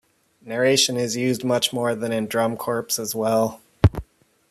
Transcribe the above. Narration is used much more than in Drum Corps as well.